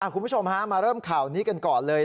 คุณผู้ชมฮะมาเริ่มข่าวนี้กันก่อนเลย